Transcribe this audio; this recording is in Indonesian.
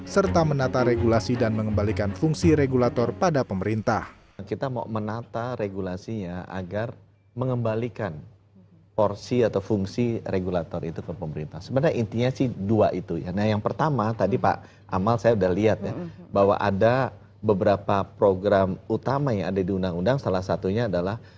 serta menata regulasi dan mengembalikan fungsi regulator pada pemerintah